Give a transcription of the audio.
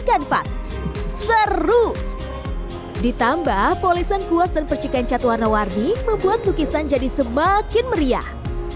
kanvas seru ditambah polisan kuas dan percikan cat warna warni membuat lukisan jadi semakin meriah